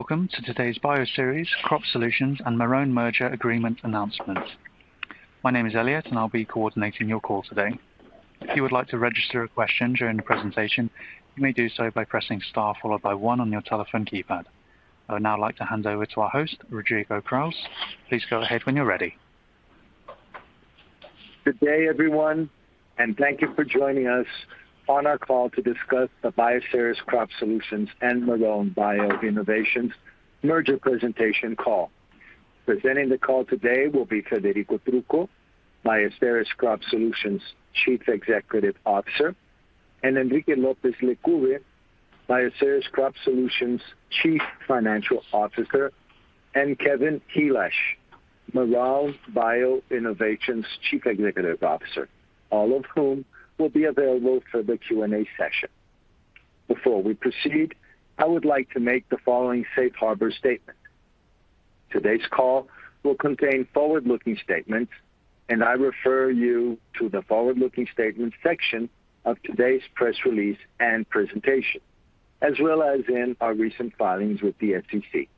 Welcome to today's Bioceres Crop Solutions and Marrone Merger Agreement announcement. My name is Elliot, and I'll be coordinating your call today. If you would like to register a question during the presentation, you may do so by pressing star followed by one on your telephone keypad. I would now like to hand over to our host, Rodrigo Krause. Please go ahead when you're ready. Good day, everyone, and thank you for joining us on our call to discuss the Bioceres Crop Solutions and Marrone Bio Innovations merger presentation call. Presenting the call today will be Federico Trucco, Bioceres Crop Solutions Chief Executive Officer, and Enrique López Lecube, Bioceres Crop Solutions Chief Financial Officer, and Kevin Helash, Marrone Bio Innovations Chief Executive Officer. All of whom will be available for the Q&A session. Before we proceed, I would like to make the following safe harbor statement. Today's call will contain forward-looking statements, and I refer you to the forward-looking statements section of today's press release and presentation, as well as in our recent filings with the SEC.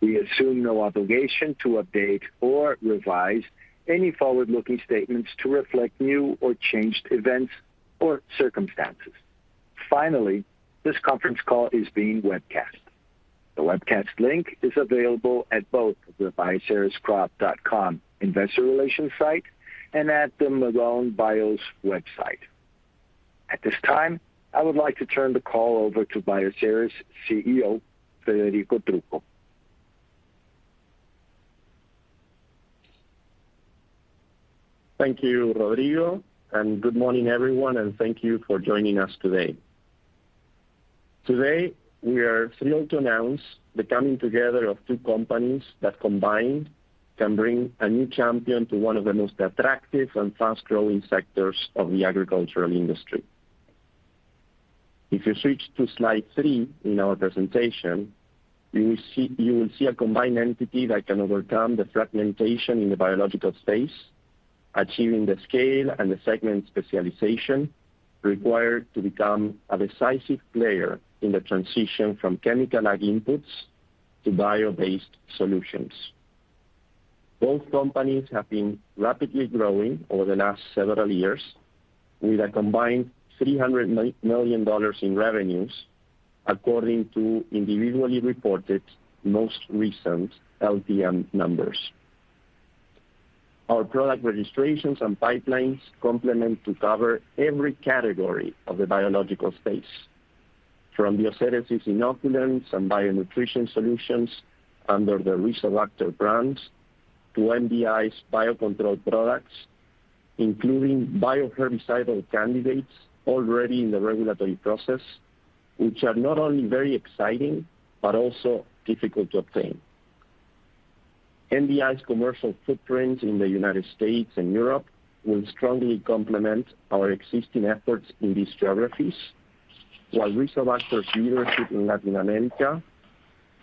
We assume no obligation to update or revise any forward-looking statements to reflect new or changed events or circumstances. Finally, this conference call is being webcast. The webcast link is available at both the biocerescrops.com investor relations site and at the Marrone Bio Innovations' website. At this time, I would like to turn the call over to Bioceres CEO, Federico Trucco. Thank you, Rodrigo, and good morning, everyone, and thank you for joining us today. Today, we are thrilled to announce the coming together of two companies that combined can bring a new champion to one of the most attractive and fast-growing sectors of the agricultural industry. If you switch to slide three in our presentation, you will see a combined entity that can overcome the fragmentation in the biological space, achieving the scale and the segment specialization required to become a decisive player in the transition from chemical ag inputs to bio-based solutions. Both companies have been rapidly growing over the last several years with a combined $300 million in revenues, according to individually reported most recent LTM numbers. Our product registrations and pipelines complement to cover every category of the biological space, from Bioceres' inoculants and bio nutrition solutions under the Rizobacter brands to MBI's biocontrol products, including bio-herbicidal candidates already in the regulatory process, which are not only very exciting but also difficult to obtain. MBI's commercial footprint in the United States and Europe will strongly complement our existing efforts in these geographies, while Rizobacter's leadership in Latin America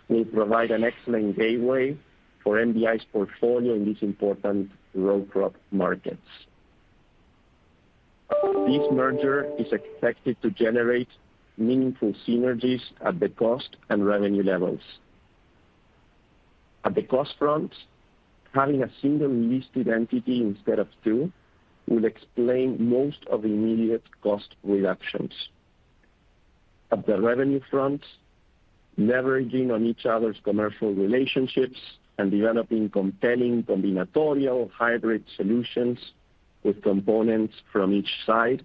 will provide an excellent gateway for MBI's portfolio in these important row crop markets. This merger is expected to generate meaningful synergies at the cost and revenue levels. At the cost front, having a single listed entity instead of two will explain most of the immediate cost reductions. At the revenue front, leveraging on each other's commercial relationships and developing compelling combinatorial hybrid solutions with components from each side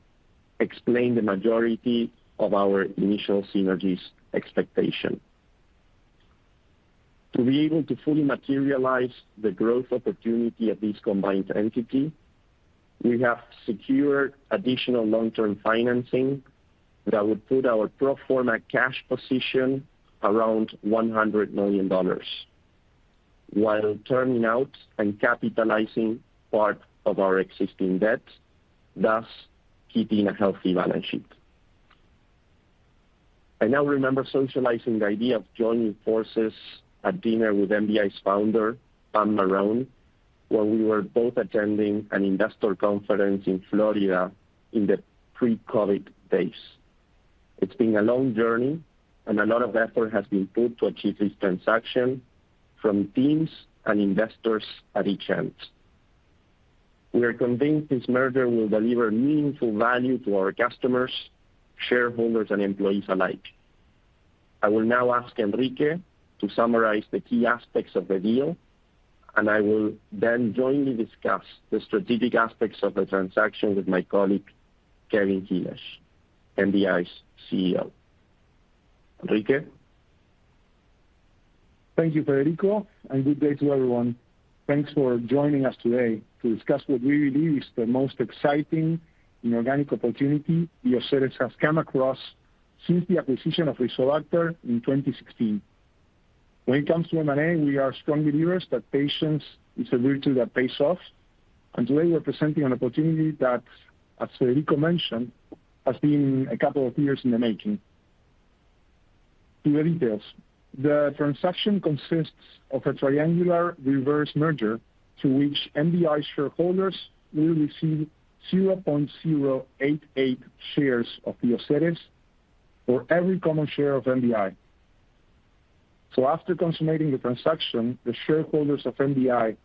explain the majority of our initial synergies expectation. To be able to fully materialize the growth opportunity of this combined entity, we have secured additional long-term financing that would put our pro forma cash position around $100 million while turning out and capitalizing part of our existing debt, thus keeping a healthy balance sheet. I now remember socializing the idea of joining forces at dinner with MBI's founder, Pam Marrone, when we were both attending an industry conference in Florida in the pre-COVID days. It's been a long journey, and a lot of effort has been put to achieve this transaction from teams and investors at each end. We are convinced this merger will deliver meaningful value to our customers, shareholders and employees alike. I will now ask Enrique to summarize the key aspects of the deal, and I will then jointly discuss the strategic aspects of the transaction with my colleague, Kevin Helash, MBI's CEO. Enrique. Thank you, Federico, and good day to everyone. Thanks for joining us today to discuss what we believe is the most exciting inorganic opportunity Bioceres has come across since the acquisition of Rizobacter in 2016. When it comes to M&A, we are strong believers that patience is a virtue that pays off. Today we are presenting an opportunity that, as Federico mentioned, has been a couple of years in the making. To the details. The transaction consists of a triangular reverse merger to which MBI shareholders will receive 0.088 shares of Bioceres for every common share of MBI. So after consummating the transaction, the shareholders of MBI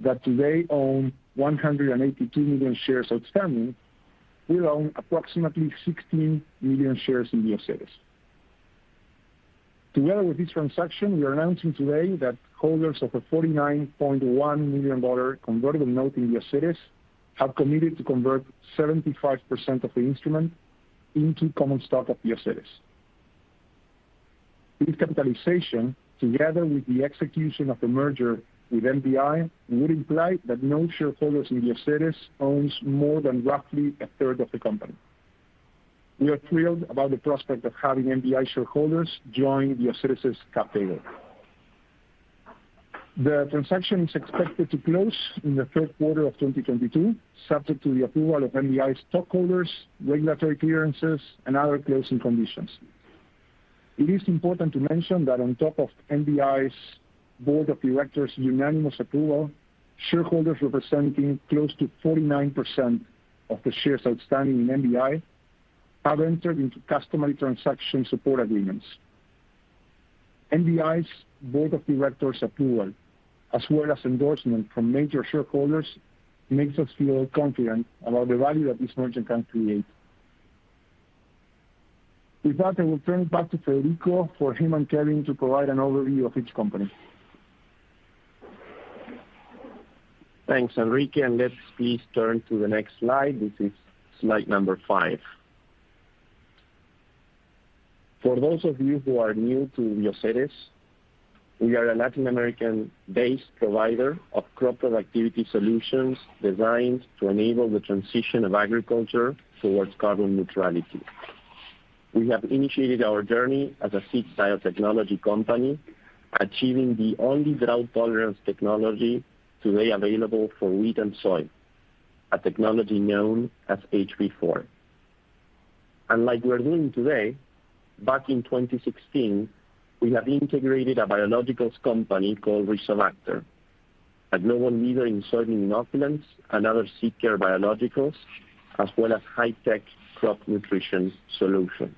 that today own 182 million shares outstanding will own approximately 16 million shares in Bioceres. Together with this transaction, we are announcing today that holders of a $49.1 million convertible note in Bioceres have committed to convert 75% of the instrument into common stock of Bioceres. This capitalization, together with the execution of the merger with MBI, would imply that no shareholders in Bioceres owns more than roughly 1/3 of the company. We are thrilled about the prospect of having MBI shareholders join Bioceres's cap table. The transaction is expected to close in the third quarter of 2022, subject to the approval of MBI stockholders, regulatory clearances, and other closing conditions. It is important to mention that on top of MBI's board of directors unanimous approval, shareholders representing close to 49% of the shares outstanding in MBI have entered into customary transaction support agreements. MBI's board of directors approval, as well as endorsement from major shareholders, makes us feel confident about the value that this merger can create. With that, I will turn it back to Federico for him and Kevin to provide an overview of each company. Thanks, Enrique, and let's please turn to the next slide. This is slide number five. For those of you who are new to Bioceres, we are a Latin American-based provider of crop productivity solutions designed to enable the transition of agriculture towards carbon neutrality. We have initiated our journey as a seed style technology company, achieving the only drought-tolerant technology today available for wheat and soy, a technology known as HB4. Like we are doing today, back in 2016, we have integrated a biologicals company called Rizobacter, a global leader in soybean inoculants and other seed care biologicals, as well as high-tech crop nutrition solutions.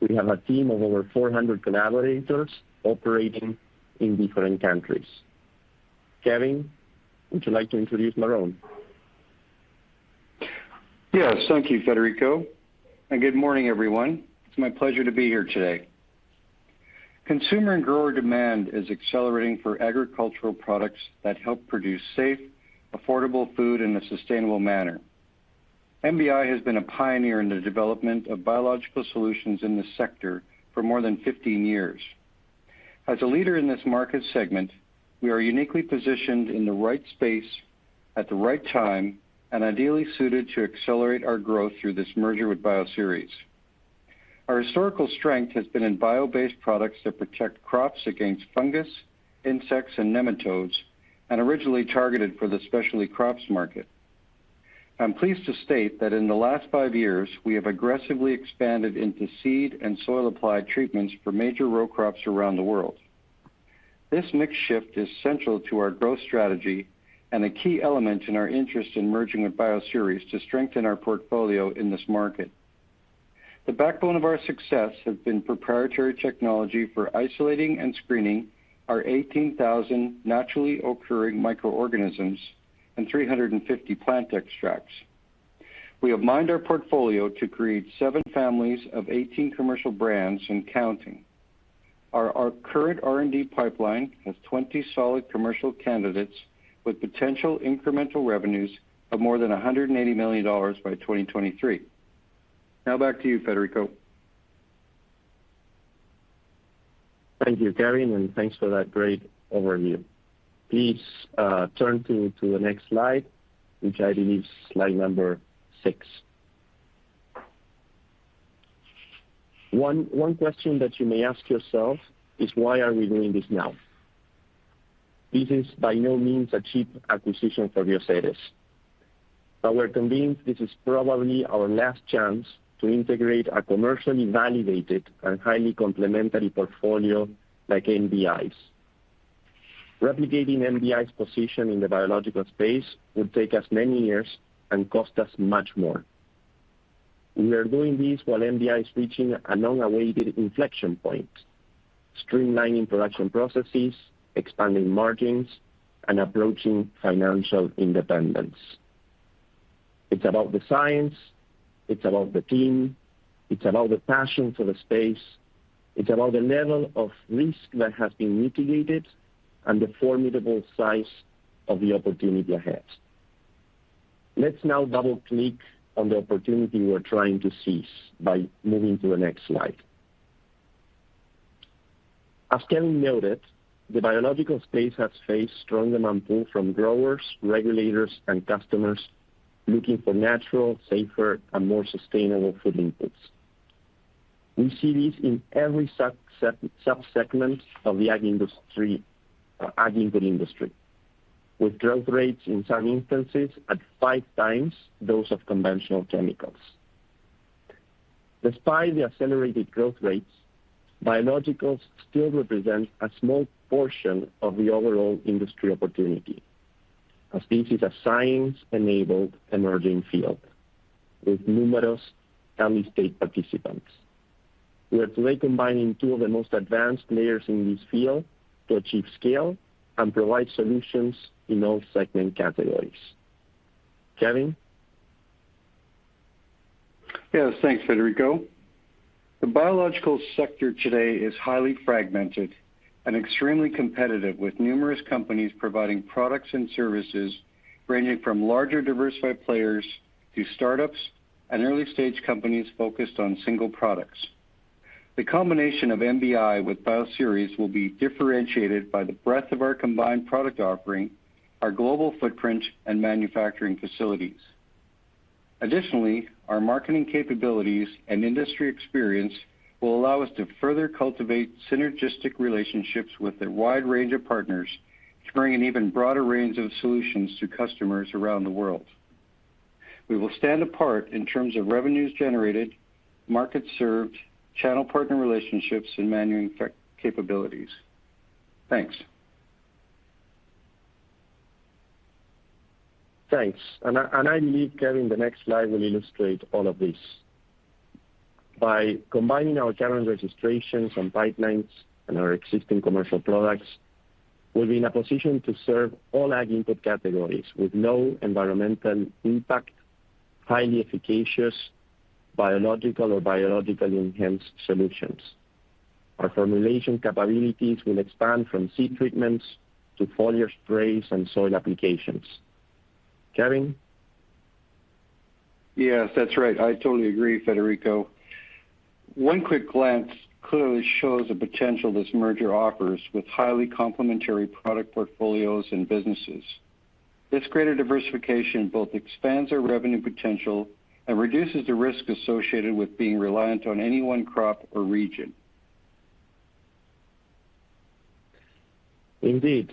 We have a team of over 400 collaborators operating in different countries. Kevin, would you like to introduce Marrone? Yes, thank you, Federico, and good morning, everyone. It's my pleasure to be here today. Consumer and grower demand is accelerating for agricultural products that help produce safe, affordable food in a sustainable manner. MBI has been a pioneer in the development of biological solutions in this sector for more than 15 years. As a leader in this market segment, we are uniquely positioned in the right space at the right time and ideally suited to accelerate our growth through this merger with Bioceres. Our historical strength has been in bio-based products that protect crops against fungus, insects, and nematodes, and originally targeted for the specialty crops market. I'm pleased to state that in the last five years, we have aggressively expanded into seed and soil applied treatments for major row crops around the world. This mix shift is central to our growth strategy and a key element in our interest in merging with Bioceres to strengthen our portfolio in this market. The backbone of our success has been proprietary technology for isolating and screening our 18,000 naturally occurring microorganisms and 350 plant extracts. We have mined our portfolio to create seven families of 18 commercial brands and counting. Our current R&D pipeline has 20 solid commercial candidates with potential incremental revenues of more than $180 million by 2023. Now back to you, Federico. Thank you, Kevin, and thanks for that great overview. Please, turn to the next slide, which I believe is slide number six. One question that you may ask yourself is why are we doing this now? This is by no means a cheap acquisition for Bioceres. We're convinced this is probably our last chance to integrate a commercially validated and highly complementary portfolio like MBI's. Replicating MBI's position in the biological space would take us many years and cost us much more. We are doing this while MBI is reaching a long-awaited inflection point, streamlining production processes, expanding margins, and approaching financial independence. It's about the science, it's about the team, it's about the passion for the space, it's about the level of risk that has been mitigated and the formidable size of the opportunity ahead. Let's now double-click on the opportunity we're trying to seize by moving to the next slide. As Kevin noted, the biological space has faced strong demand pull from growers, regulators, and customers looking for natural, safer, and more sustainable food inputs. We see this in every subsegment of the ag industry, or ag input industry, with growth rates in some instances at five times those of conventional chemicals. Despite the accelerated growth rates, biologicals still represent a small portion of the overall industry opportunity. This is a science-enabled emerging field with numerous early-stage participants. We are today combining two of the most advanced layers in this field to achieve scale and provide solutions in all segment categories. Kevin? Yes, thanks, Federico. The biological sector today is highly fragmented and extremely competitive, with numerous companies providing products and services ranging from larger diversified players to startups and early-stage companies focused on single products. The combination of MBI with Bioceres will be differentiated by the breadth of our combined product offering, our global footprint and manufacturing facilities. Additionally, our marketing capabilities and industry experience will allow us to further cultivate synergistic relationships with a wide range of partners to bring an even broader range of solutions to customers around the world. We will stand apart in terms of revenues generated, markets served, channel partner relationships, and manufacturing capabilities. Thanks. Thanks. I believe, Kevin, the next slide will illustrate all of this. By combining our current registrations and pipelines and our existing commercial products, we'll be in a position to serve all ag input categories with low environmental impact, highly efficacious biological or biologically enhanced solutions. Our formulation capabilities will expand from seed treatments to foliar sprays and soil applications. Kevin? Yes, that's right. I totally agree, Federico. One quick glance clearly shows the potential this merger offers with highly complementary product portfolios and businesses. This greater diversification both expands our revenue potential and reduces the risk associated with being reliant on any one crop or region. Indeed,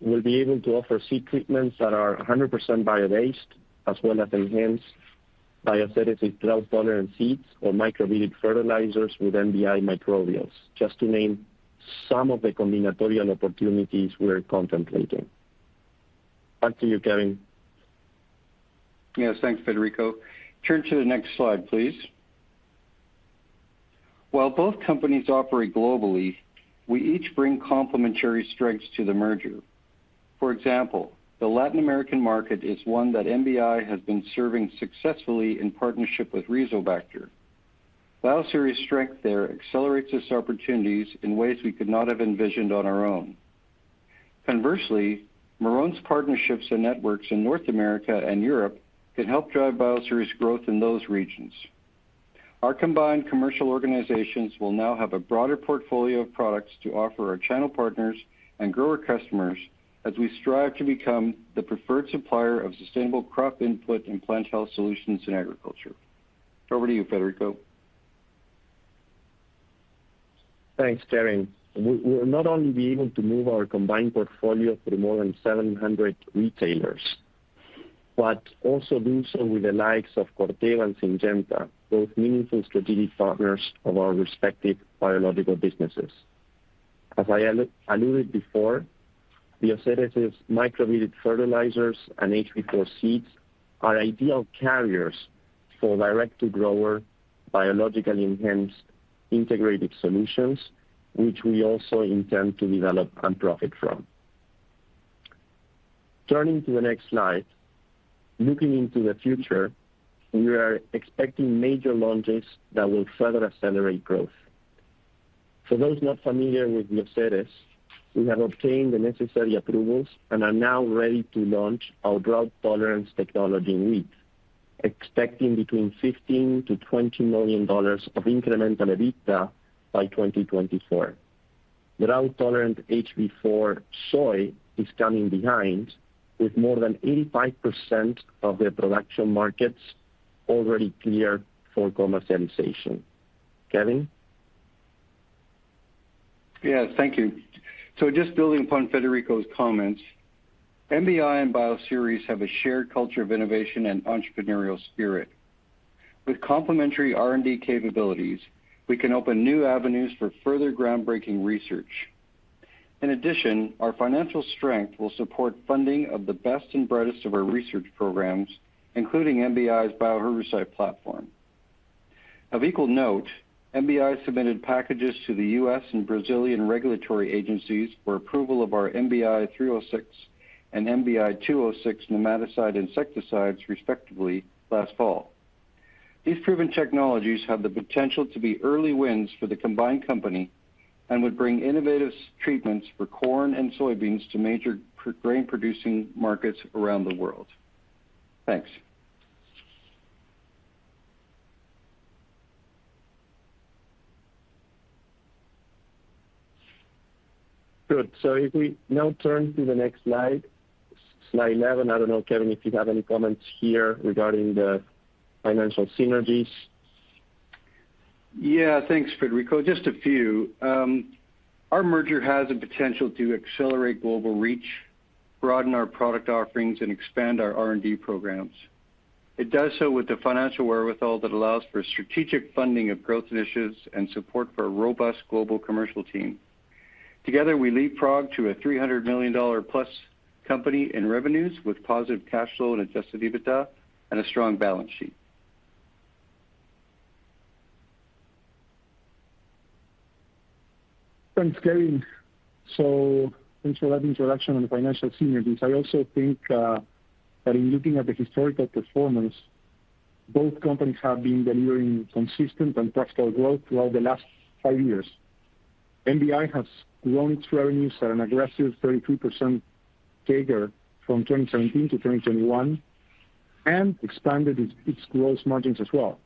we'll be able to offer seed treatments that are 100% bio-based, as well as enhanced Bioceres drought-tolerant seeds or Microbead fertilizers with MBI microbials, just to name some of the combinatorial opportunities we are contemplating. Back to you, Kevin. Yes, thanks, Federico. Turn to the next slide, please. While both companies operate globally, we each bring complementary strengths to the merger. For example, the Latin American market is one that MBI has been serving successfully in partnership with Rizobacter. Bioceres' strength there accelerates its opportunities in ways we could not have envisioned on our own. Conversely, Marrone's partnerships and networks in North America and Europe can help drive Bioceres growth in those regions. Our combined commercial organizations will now have a broader portfolio of products to offer our channel partners and grower customers as we strive to become the preferred supplier of sustainable crop input and plant health solutions in agriculture. Over to you, Federico. Thanks, Kevin. We'll not only be able to move our combined portfolio to more than 700 retailers, but also do so with the likes of Corteva and Syngenta, both meaningful strategic partners of our respective biological businesses. As I alluded before, Bioceres' Microbead fertilizers and HB4 seeds are ideal carriers for direct-to-grower, biologically enhanced integrated solutions, which we also intend to develop and profit from. Turning to the next slide. Looking into the future, we are expecting major launches that will further accelerate growth. For those not familiar with Bioceres, we have obtained the necessary approvals and are now ready to launch our drought tolerance technology in wheat, expecting between $15 million to $20 million of incremental EBITDA by 2024. Drought-tolerant HB4 soy is coming behind with more than 85% of the production markets already cleared for commercialization. Kevin? Yes, thank you. Just building upon Federico's comments, MBI and Bioceres have a shared culture of innovation and entrepreneurial spirit. With complementary R&D capabilities, we can open new avenues for further groundbreaking research. In addition, our financial strength will support funding of the best and brightest of our research programs, including MBI's bioherbicide platform. Of equal note, MBI submitted packages to the U.S. and Brazilian regulatory agencies for approval of our MBI-306 and MBI-206 nematicide insecticides, respectively, last fall. These proven technologies have the potential to be early wins for the combined company and would bring innovative treatments for corn and soybeans to major grain-producing markets around the world. Thanks. Good. If we now turn to the next slide 11. I don't know, Kevin, if you have any comments here regarding the financial synergies. Yeah. Thanks, Federico. Just a few. Our merger has the potential to accelerate global reach, broaden our product offerings, and expand our R&D programs. It does so with the financial wherewithal that allows for strategic funding of growth initiatives and support for a robust global commercial team. Together, we'll grow to a $300 million+ company in revenues with positive cash flow and adjusted EBITDA and a strong balance sheet. Thanks, Kevin. Thanks for that introduction on financial synergies. I also think that in looking at the historical performance, both companies have been delivering consistent and practical growth throughout the last five years. MBI has grown its revenues at an aggressive 33% CAGR from 2017 to 2021 and expanded its gross margins as well.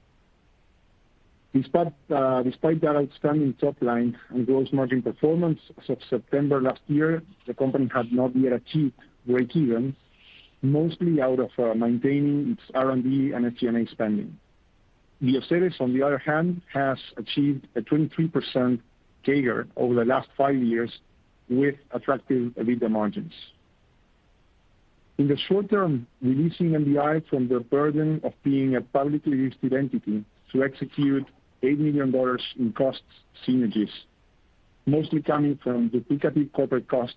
Despite that outstanding top line and gross margin performance, as of September last year, the company had not yet achieved breakeven, mostly out of maintaining its R&D and SG&A spending. Bioceres, on the other hand, has achieved a 23% CAGR over the last five years with attractive EBITDA margins. In the short term, releasing MBI from the burden of being a publicly listed entity to execute $8 million in cost synergies, mostly coming from duplicative corporate costs,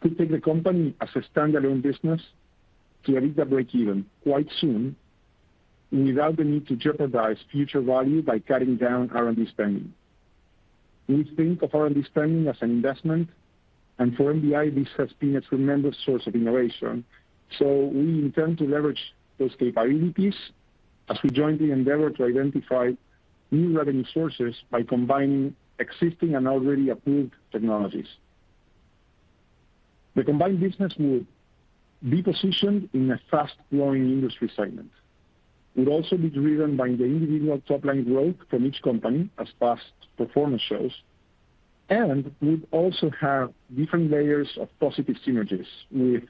could take the company as a standalone business to EBITDA breakeven quite soon without the need to jeopardize future value by cutting down R&D spending. We think of R&D spending as an investment, and for MBI, this has been a tremendous source of innovation. We intend to leverage those capabilities as we join the endeavor to identify new revenue sources by combining existing and already approved technologies. The combined business will be positioned in a fast-growing industry segment, will also be driven by the individual top-line growth from each company as past performance shows, and will also have different layers of positive synergies with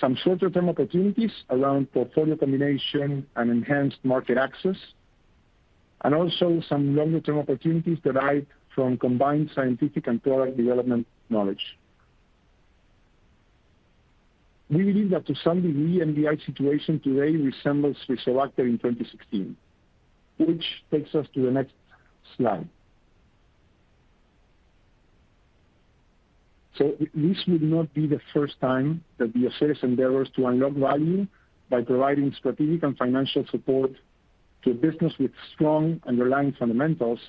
some shorter-term opportunities around portfolio combination and enhanced market access, and also some longer-term opportunities derived from combined scientific and product development knowledge. We believe that to some degree, MBI situation today resembles Rizobacter in 2016, which takes us to the next slide. This would not be the first time that Bioceres endeavors to unlock value by providing strategic and financial support to a business with strong underlying fundamentals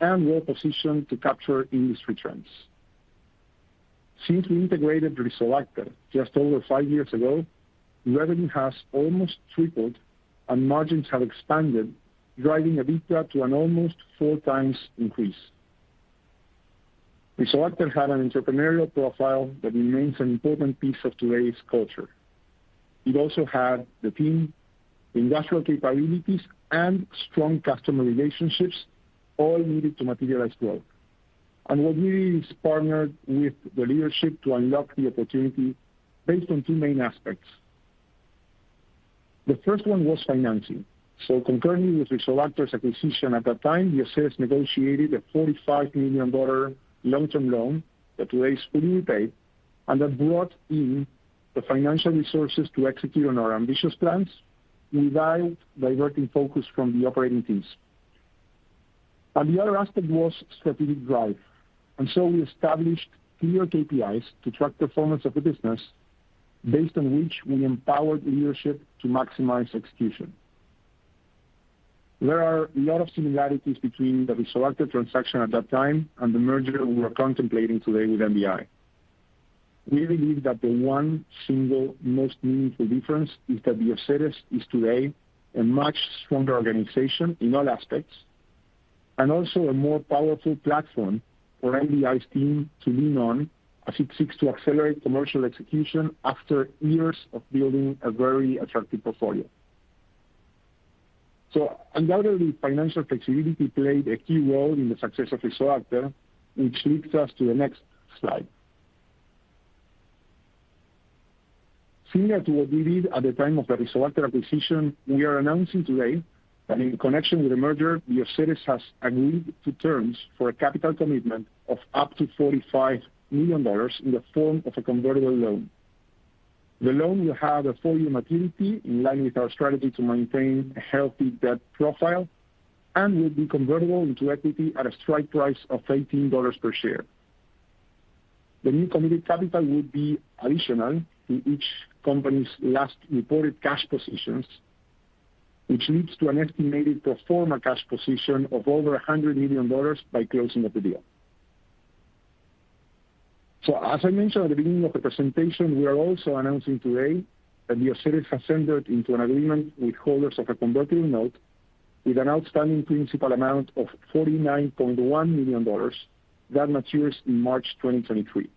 and well-positioned to capture industry trends. Since we integrated Rizobacter just over five years ago, revenue has almost tripled and margins have expanded, driving EBITDA to an almost four times increase. Rizobacter had an entrepreneurial profile that remains an important piece of today's culture. It also had the team, industrial capabilities, and strong customer relationships all needed to materialize growth. What we partnered with the leadership to unlock the opportunity based on two main aspects. The first one was financing. Concurrently with Rizobacter's acquisition at that time, Bioceres negotiated a $45 million long-term loan that today is fully repaid and that brought in the financial resources to execute on our ambitious plans without diverting focus from the operating teams. The other aspect was strategic drive. We established clear KPIs to track performance of the business based on which we empowered the leadership to maximize execution. There are a lot of similarities between the Rizobacter transaction at that time and the merger we're contemplating today with MBI. We believe that the one single most meaningful difference is that Bioceres is today a much stronger organization in all aspects, and also a more powerful platform for MBI's team to lean on as it seeks to accelerate commercial execution after years of building a very attractive portfolio. Undoubtedly, financial flexibility played a key role in the success of Rizobacter, which leads us to the next slide. Similar to what we did at the time of the Rizobacter acquisition, we are announcing today that in connection with the merger, Bioceres has agreed to terms for a capital commitment of up to $45 million in the form of a convertible loan. The loan will have a four-year maturity in line with our strategy to maintain a healthy debt profile and will be convertible into equity at a strike price of $18 per share. The new committed capital will be additional to each company's last reported cash positions, which leads to an estimated pro forma cash position of over $100 million by closing of the deal. As I mentioned at the beginning of the presentation, we are also announcing today that Bioceres has entered into an agreement with holders of a convertible note with an outstanding principal amount of $49.1 million that matures in March 2023.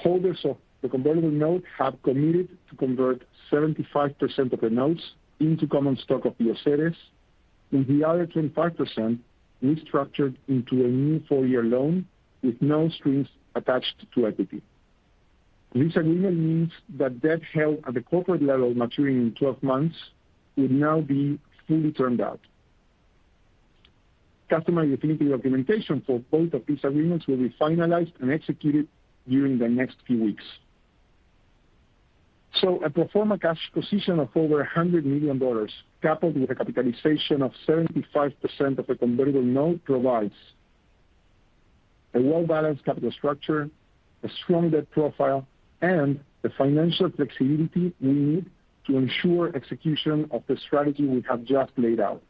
Holders of the convertible note have committed to convert 75% of the notes into common stock of Bioceres, with the other 25% restructured into a new four-year loan with no strings attached to equity. This agreement means that debt held at the corporate level maturing in 12 months will now be fully termed out. The definitive documentation for both of these agreements will be finalized and executed during the next few weeks. A pro forma cash position of over $100 million, coupled with a capitalization of 75% of the convertible note provides a well-balanced capital structure, a strong debt profile, and the financial flexibility we need to ensure execution of the strategy we have just laid out.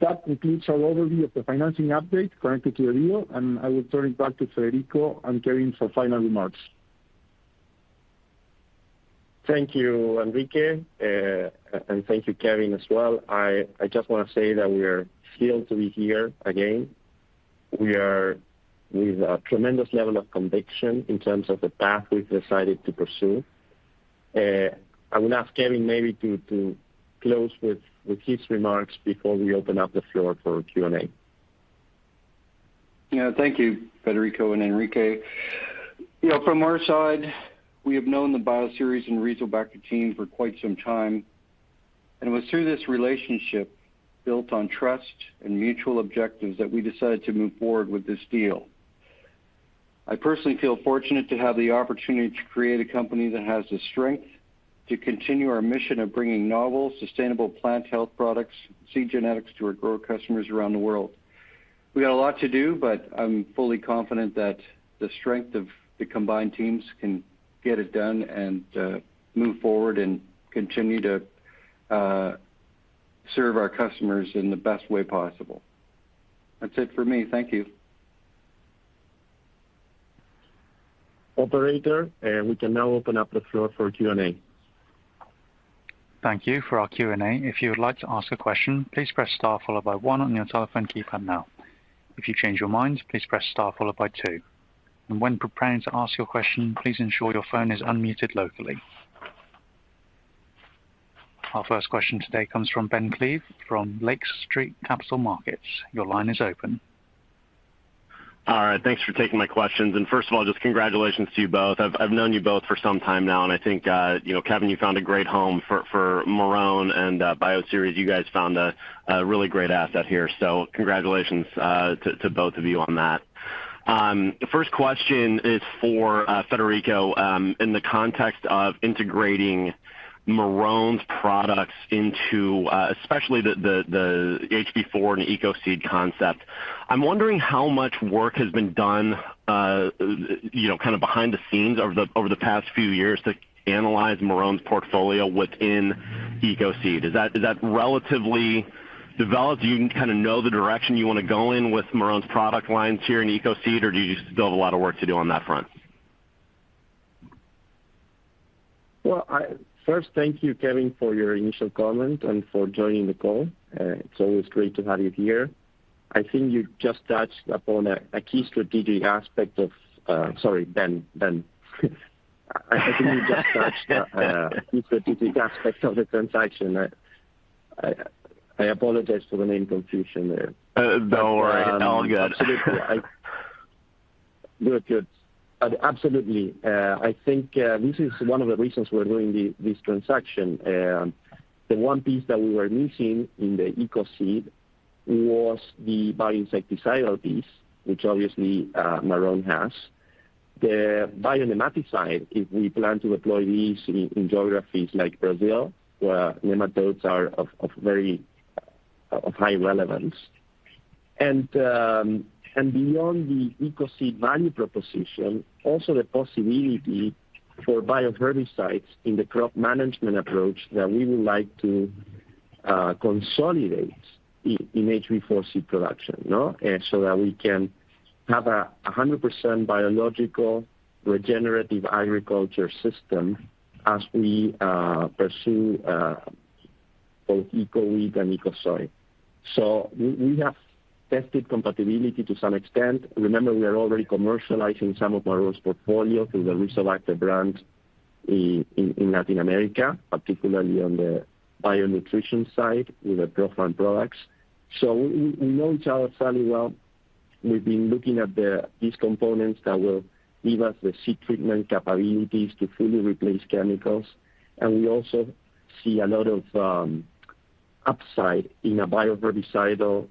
That concludes our overview of the financing update for the transaction and I will turn it back to Federico and Kevin for final remarks. Thank you, Enrique. Thank you, Kevin, as well. I just wanna say that we are thrilled to be here again. We are with a tremendous level of conviction in terms of the path we've decided to pursue. I will ask Kevin maybe to close with his remarks before we open up the floor for Q&A. Yeah. Thank you, Federico and Enrique. You know, from our side, we have known the Bioceres and Rizobacter team for quite some time, and it was through this relationship built on trust and mutual objectives that we decided to move forward with this deal. I personally feel fortunate to have the opportunity to create a company that has the strength to continue our mission of bringing novel, sustainable plant health products, seed genetics to our grower customers around the world. We got a lot to do, but I'm fully confident that the strength of the combined teams can get it done and move forward and continue to serve our customers in the best way possible. That's it for me. Thank you. Operator, we can now open up the floor for Q&A. Thank you. For our Q&A, if you would like to ask a question, please press star followed by one on your telephone keypad now. If you change your mind, please press star followed by two. When preparing to ask your question, please ensure your phone is unmuted locally. Our first question today comes from Ben Klieve from Lake Street Capital Markets. Your line is open. All right. Thanks for taking my questions. First of all, just congratulations to you both. I've known you both for some time now, and I think, you know, Kevin, you found a great home for Marrone and Bioceres, you guys found a really great asset here. Congratulations to both of you on that. The first question is for Federico. In the context of integrating Marrone's products into, especially the HB4 and EcoSeed concept, I'm wondering how much work has been done, you know, kind of behind the scenes over the past few years to analyze Marrone's portfolio within EcoSeed. Is that relatively developed? Do you kind of know the direction you wanna go in with Marrone's product lines here in EcoSeed, or do you still have a lot of work to do on that front? Well, first, thank you, Ben, for your initial comment and for joining the call. It's always great to have you here. I think you just touched upon a key strategic aspect of the transaction. Sorry, Ben. I think you just touched the strategic aspect of the transaction. I apologize for the name confusion there. Don't worry. All good. Absolutely. We're good. Absolutely. I think this is one of the reasons we're doing this transaction. The one piece that we were missing in the EcoSeed was the bioinsecticidal piece, which obviously Marrone has. The bionematicide, we plan to deploy these in geographies like Brazil, where nematodes are of very high relevance. Beyond the EcoSeed value proposition, also the possibility for bioherbicides in the crop management approach that we would like to consolidate in HB4 seed production, no? We can have a 100% biological regenerative agriculture system as we pursue both Eco Wheat and Eco Soy. We have tested compatibility to some extent. Remember, we are already commercializing some of Marrone's portfolio through the Rizobacter brand in Latin America, particularly on the bionutrition side with the ProFarm products. We know each other fairly well. We've been looking at these components that will give us the seed treatment capabilities to fully replace chemicals, and we also see a lot of upside in a bioherbicidal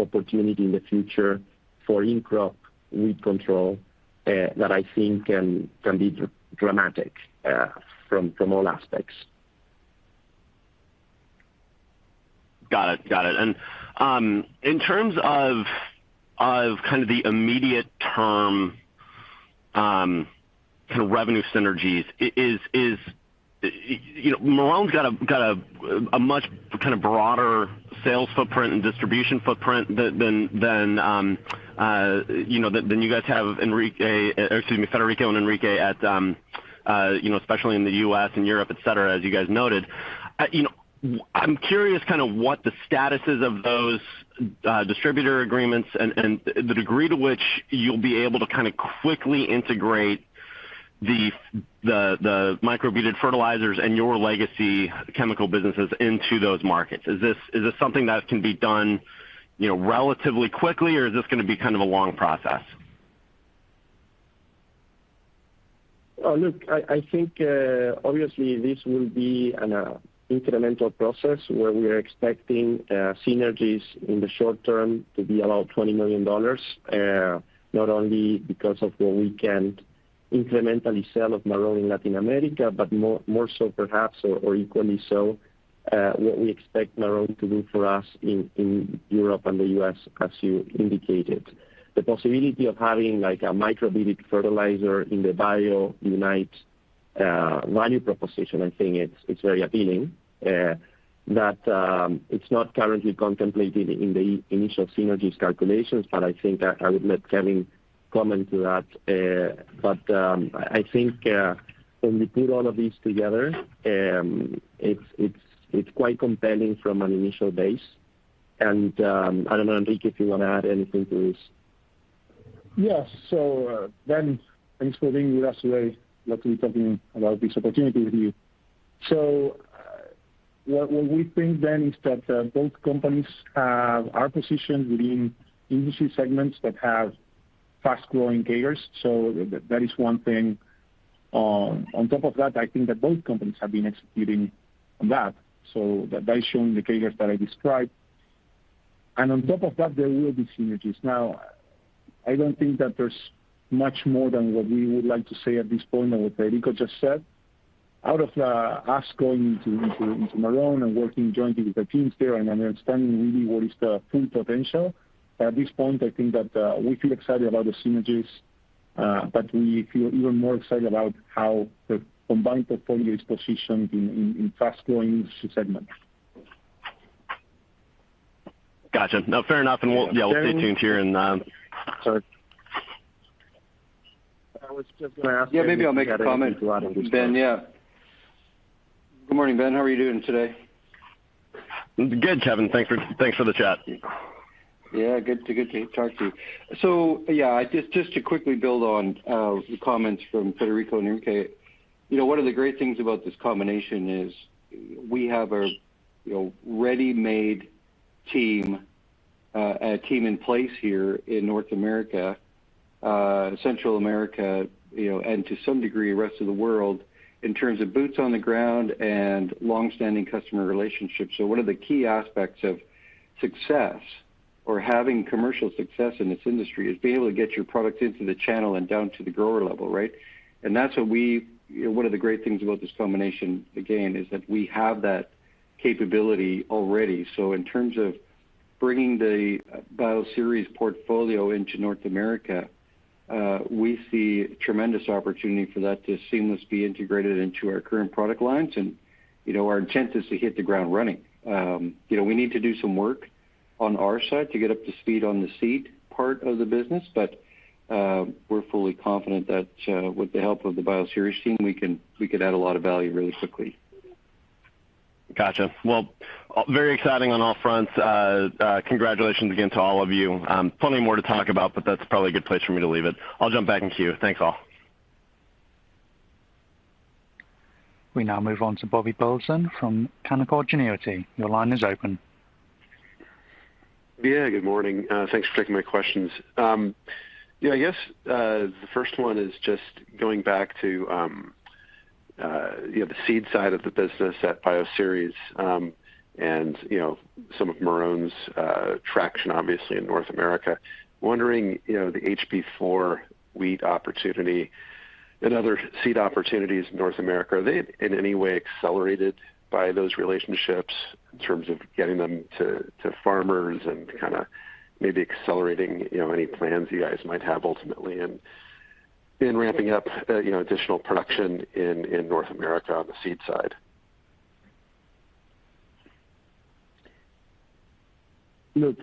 opportunity in the future for in-crop weed control that I think can be dramatic from all aspects. Got it. In terms of kind of the immediate term, kind of revenue synergies, is... You know, Marrone's got a much kind of broader sales footprint and distribution footprint than you guys have Enrique, excuse me, Federico and Enrique, you know, especially in the U.S. and Europe, etc., as you guys noted. You know, I'm curious kind of what the status is of those distributor agreements and the degree to which you'll be able to kind of quickly integrate the Microbead fertilizers and your legacy chemical businesses into those markets. Is this something that can be done, you know, relatively quickly, or is this gonna be kind of a long process? I think obviously this will be an incremental process where we are expecting synergies in the short term to be about $20 million. Not only because of what we can incrementally sell of Marrone in Latin America, but more so perhaps or equally so what we expect Marrone to do for us in Europe and the U.S. as you indicated. The possibility of having like a microbial fertilizer in the Biounite value proposition, I think it's very appealing that it's not currently contemplated in the initial synergies calculations, but I think I would let Kevin comment to that. I think when we put all of these together, it's quite compelling from an initial base. I don't know, Enrique, if you wanna add anything to this. Yes, Ben, thanks for being with us today. Looking forward to talking about this opportunity with you. What we think then is that both companies are positioned within industry segments that have fast-growing CAGRs. That is one thing. On top of that, I think that both companies have been executing on that by showing the CAGRs that I described. On top of that, there will be synergies. Now, I don't think that there's much more that we would like to say at this point than what Federico just said. Out of us going into Marrone and working jointly with the teams there and understanding really what is the full potential, at this point, I think that we feel excited about the synergies, but we feel even more excited about how the combined portfolio is positioned in fast-growing industry segments. Gotcha. No, fair enough. We'll, yeah, stay tuned here. Sorry. Yeah, maybe I'll make a comment, Ben. Yeah. Good morning, Ben. How are you doing today? Good, Kevin. Thanks for the chat. Yeah, good to talk to you. Yeah, just to quickly build on the comments from Federico and Enrique. You know, one of the great things about this combination is we have a ready-made team in place here in North America, Central America, you know, and to some degree, rest of the world in terms of boots on the ground and long-standing customer relationships. One of the key aspects of success or having commercial success in this industry is being able to get your product into the channel and down to the grower level, right? You know, one of the great things about this combination, again, is that we have that capability already. In terms of bringing the Bioceres portfolio into North America, we see tremendous opportunity for that to seamlessly integrated into our current product lines. You know, our intent is to hit the ground running. You know, we need to do some work on our side to get up to speed on the seed part of the business. But we're fully confident that with the help of the Bioceres team, we could add a lot of value really quickly. Gotcha. Well, very exciting on all fronts. Congratulations again to all of you. Plenty more to talk about, but that's probably a good place for me to leave it. I'll jump back in queue. Thanks, all. We now move on to Bobby Burleson from Canaccord Genuity. Your line is open. Yeah, good morning. Thanks for taking my questions. Yeah, I guess the first one is just going back to you know, the seed side of the business at Bioceres, and you know, some of Marrone's traction, obviously in North America. Wondering, you know, the HB4 wheat opportunity and other seed opportunities in North America, are they in any way accelerated by those relationships in terms of getting them to farmers and kinda maybe accelerating, you know, any plans you guys might have ultimately in ramping up you know, additional production in North America on the seed side? Look,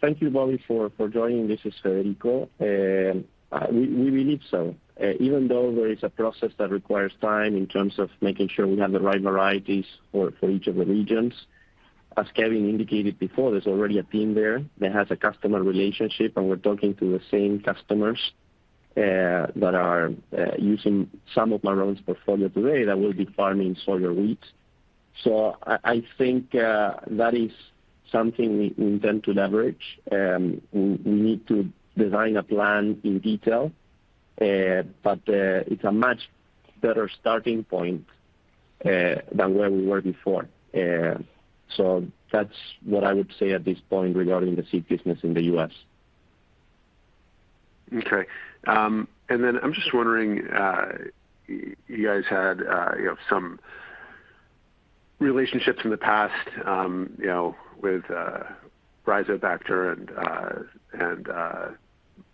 thank you, Bobby, for joining. This is Federico. We believe so. Even though there is a process that requires time in terms of making sure we have the right varieties for each of the regions. As Kevin indicated before, there's already a team there that has a customer relationship, and we're talking to the same customers that are using some of Marrone's portfolio today that will be farming Sawyer wheat. I think that is something we intend to leverage. We need to design a plan in detail, but it's a much better starting point than where we were before. That's what I would say at this point regarding the seed business in the U.S. Okay. I'm just wondering, you guys had, you know, some relationships in the past, you know, with Rizobacter and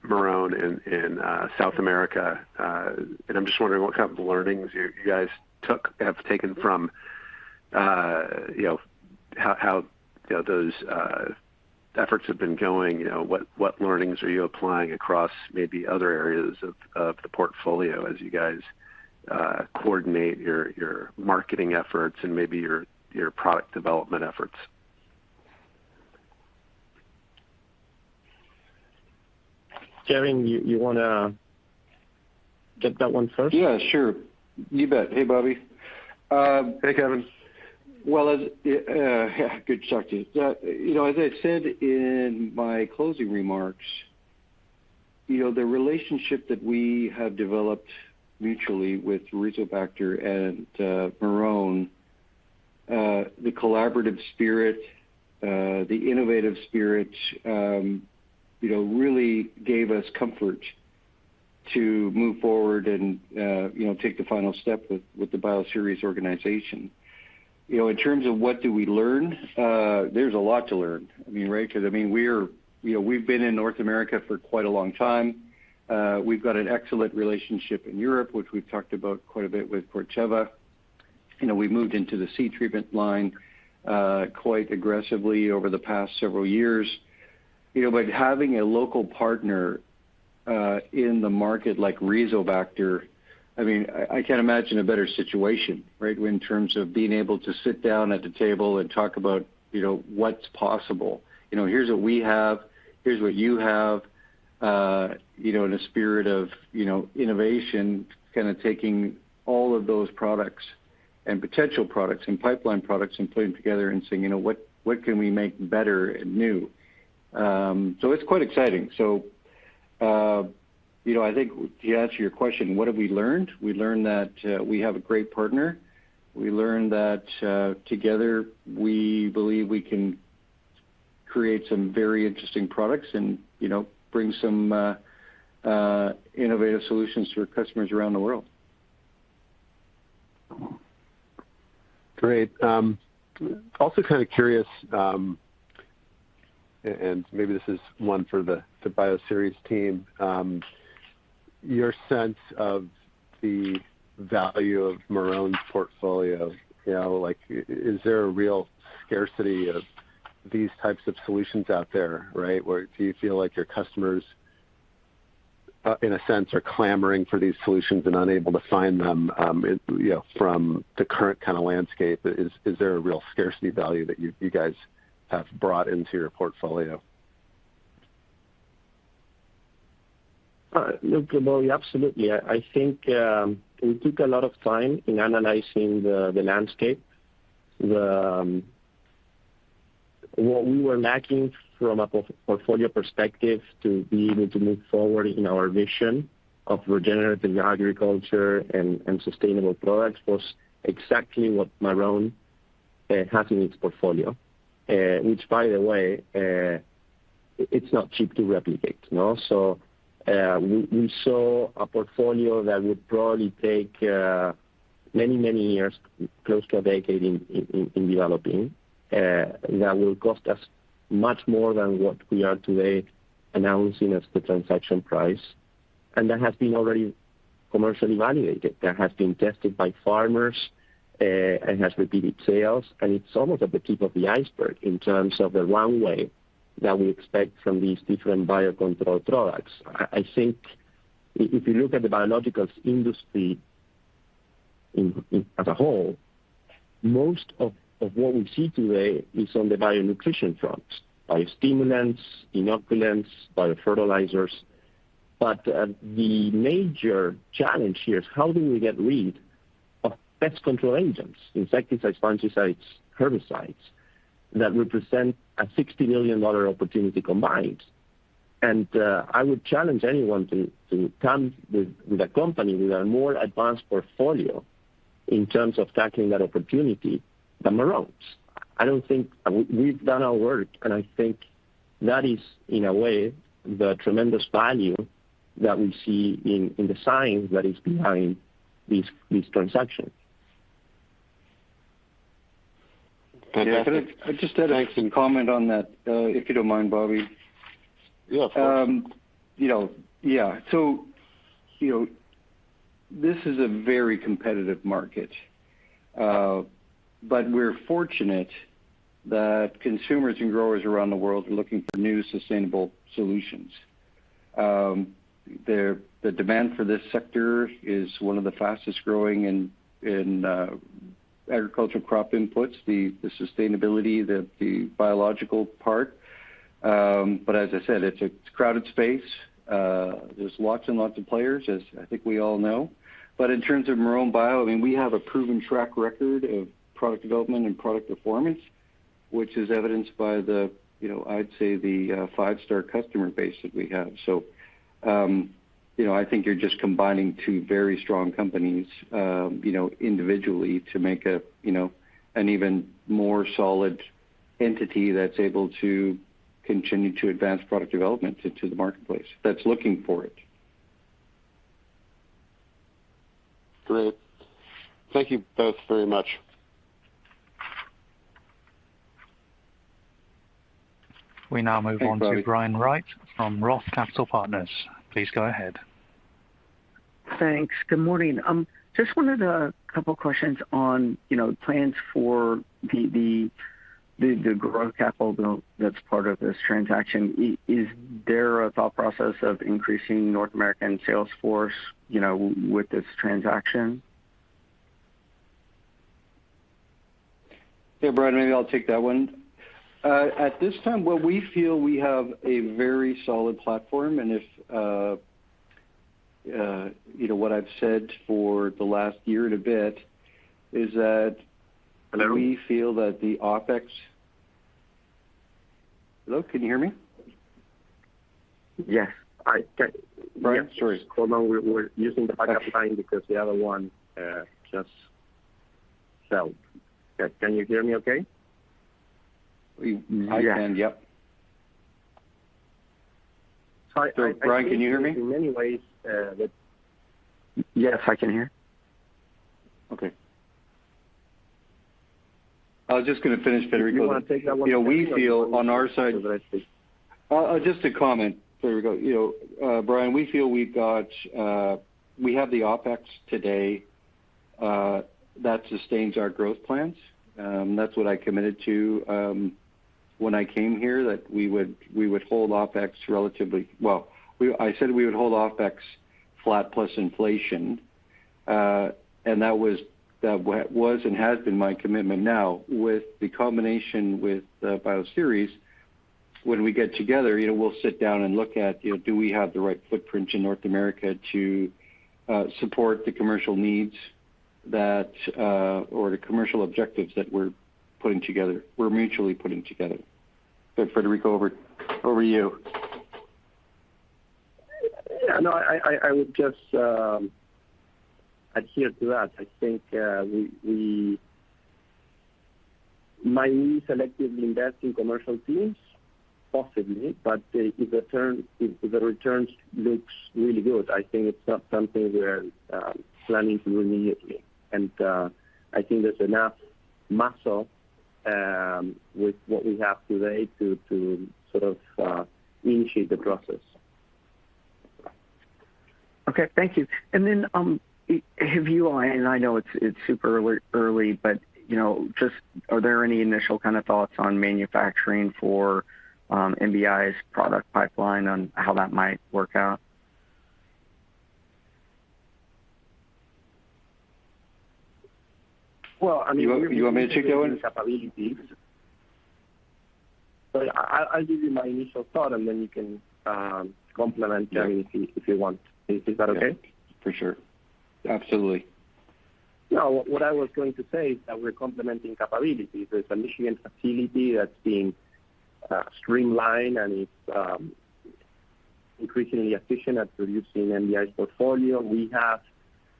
Marrone in South America. I'm just wondering what kind of learnings you guys have taken from, you know, how those efforts have been going? You know, what learnings are you applying across maybe other areas of the portfolio as you guys coordinate your marketing efforts and maybe your product development efforts? Kevin, you wanna take that one first? Yeah, sure. You bet. Hey, Bobby. Hey, Kevin. Well, yeah, good question. You know, as I said in my closing remarks, you know, the relationship that we have developed mutually with Rizobacter and Marrone, the collaborative spirit, the innovative spirit, you know, really gave us comfort to move forward and you know, take the final step with the Bioceres organization. You know, in terms of what do we learn, there's a lot to learn. I mean, right? 'Cause I mean, you know, we've been in North America for quite a long time. We've got an excellent relationship in Europe, which we've talked about quite a bit with Corteva. You know, we've moved into the seed treatment line quite aggressively over the past several years. You know, having a local partner in the market like Rizobacter, I mean, I can't imagine a better situation, right? In terms of being able to sit down at the table and talk about, you know, what's possible. You know, here's what we have, here's what you have, you know, in a spirit of, you know, innovation, kind of taking all of those products and potential products and pipeline products and putting them together and saying, "You know, what can we make better and new?" It's quite exciting. You know, I think to answer your question, what have we learned? We learned that we have a great partner. We learned that together, we believe we can create some very interesting products and, you know, bring some innovative solutions to our customers around the world. Great. Also kind of curious, and maybe this is one for the Bioceres team. Your sense of the value of Marrone's portfolio. You know, like is there a real scarcity of these types of solutions out there, right? Where do you feel like your customers, in a sense are clamoring for these solutions and unable to find them, you know, from the current kind of landscape? Is there a real scarcity value that you guys have brought into your portfolio? Look, Bobby, absolutely. I think we took a lot of time in analyzing the landscape. What we were lacking from a portfolio perspective to be able to move forward in our mission of regenerative agriculture and sustainable products was exactly what Marrone has in its portfolio. Which by the way, it's not cheap to replicate, you know? We saw a portfolio that would probably take many years, close to a decade in developing, that will cost us much more than what we are today announcing as the transaction price. That has been already commercially validated. That has been tested by farmers and has repeated sales. It's almost at the tip of the iceberg in terms of the runway that we expect from these different biocontrol products. I think if you look at the biologicals industry as a whole, most of what we see today is on the bio nutrition fronts, biostimulants, inoculants, biofertilizers. The major challenge here is how do we get rid of pest control agents, insecticides, fungicides, herbicides, that represent a $60 million opportunity combined. I would challenge anyone to come up with a company with a more advanced portfolio in terms of tackling that opportunity than Marrone's. I don't think. We've done our work, and I think that is, in a way, the tremendous value that we see in the science that is behind this transaction. Fantastic. Thanks. Yeah. I just had a comment on that, if you don't mind, Bobby. Yeah, of course. You know, yeah. You know, this is a very competitive market. We're fortunate that consumers and growers around the world are looking for new sustainable solutions. The demand for this sector is one of the fastest growing in agricultural crop inputs, the sustainability, the biological part. As I said, it's a crowded space. There's lots and lots of players, as I think we all know. In terms of Marrone Bio, I mean, we have a proven track record of product development and product performance, which is evidenced by the, you know, I'd say the five-star customer base that we have. You know, I think you're just combining two very strong companies, you know, individually to make a, you know, an even more solid entity that's able to continue to advance product development into the marketplace that's looking for it. Great. Thank you both very much. We now move on. Thanks, Bobby.... to Brian Wright from ROTH Capital Partners. Please go ahead. Thanks. Good morning. Just wanted a couple questions on, you know, plans for the growth capital that's part of this transaction. Is there a thought process of increasing North American sales force, you know, with this transaction? Yeah, Brian, maybe I'll take that one. At this time what we feel we have a very solid platform, and if, you know, what I've said for the last year and a bit is that. Hello? Hello, can you hear me? Yes. All right. Yeah, sure. Hold on. We're using the backup line because the other one just fell. Can you hear me okay? I can, yep. Sorry. Sorry. Brian, can you hear me? In many ways, that. Yes, I can hear. Okay. I was just gonna finish, Federico. You want to take that one. You know, just to comment, Federico, you know, Brian, we have the OpEx today that sustains our growth plans. That's what I committed to when I came here, that we would hold OpEx flat plus inflation, and that was and has been my commitment. Now, with the combination with Bioceres, when we get together, you know, we'll sit down and look at, you know, do we have the right footprint in North America to support the commercial needs or the commercial objectives that we're mutually putting together. Federico, over to you. Yeah, no, I would just adhere to that. I think we might selectively invest in commercial teams. Possibly, but if the returns looks really good, I think it's not something we're planning to do immediately. I think there's enough muscle with what we have today to sort of initiate the process. Okay, thank you. I know it's super early, but you know, just are there any initial kind of thoughts on manufacturing for MBI's product pipeline on how that might work out? Well, I mean. You want me to take that one? I’ll give you my initial thought, and then you can complement. Yeah if you want. Is that okay? For sure. Absolutely. No, what I was going to say is that we're complementing capabilities. There's a Michigan facility that's being streamlined, and it's increasingly efficient at producing MBI's portfolio. We have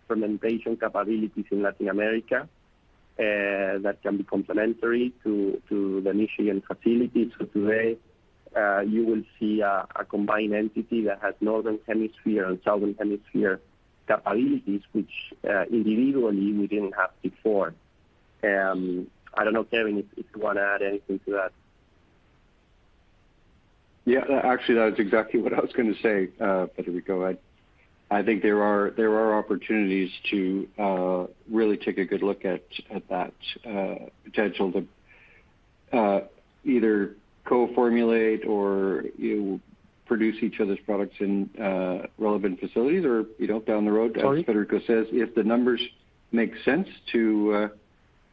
fermentation capabilities in Latin America that can be complementary to the Michigan facility. Today, you will see a combined entity that has Northern Hemisphere and Southern Hemisphere capabilities which individually we didn't have before. I don't know, Kevin, if you wanna add anything to that. Yeah, actually, that's exactly what I was gonna say, Federico. I think there are opportunities to really take a good look at that potential to either co-formulate or, you know, produce each other's products in relevant facilities or, you know, down the road. Sorry. As Federico says, if the numbers make sense to